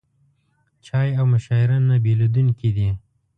چای او مشاعره نه بېلېدونکي دي.